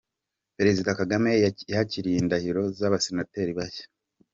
Perezida Kagame yakiriye indahiro z’Abasenateri bashya